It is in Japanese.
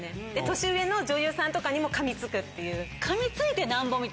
年上の女優さんとかにも噛みつくっていう。